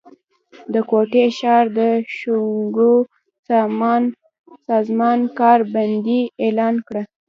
د کوټي ښار د ښونکو سازمان کار بندي اعلان کړه